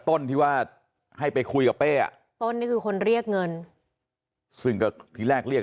ต้นที่ว่าให้ไปคุยกับเป้อ่ะต้นนี่คือคนเรียกเงินซึ่งก็ที่แรกเรียก